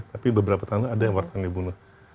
tapi beberapa tahun ada wartawan yang dibunuh